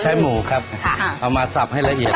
หมูครับเอามาสับให้ละเอียด